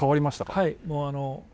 はい。